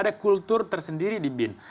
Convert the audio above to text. ada yang mengganggu kultur sendiri di bin